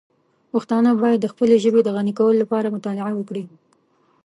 پښتانه باید د خپلې ژبې د غني کولو لپاره مطالعه وکړي.